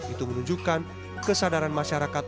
itu menunjukkan kesadaran masyarakat